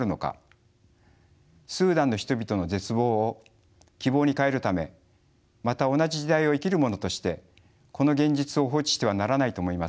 スーダンの人々の絶望を希望に変えるためまた同じ時代を生きる者としてこの現実を放置してはならないと思います。